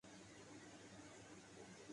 وہ تمام جنہوں نے لکھا تبدیلیوں کے مخالف نہیں ہیں